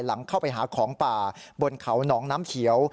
หลังเข้าไปหาของป่าบนเขาหนองน้ำเขียว